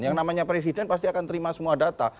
yang namanya presiden pasti akan terima semua data